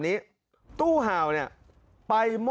ขอโทษครับ